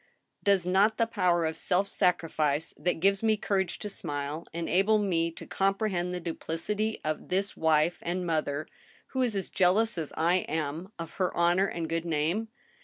Does not the power of self sacrifice, that gives me courage to smile, enable me to comprehend the duplicity of this wife and mother, who is as jealous as I am of her honor and good name